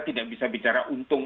tidak bisa bicara untung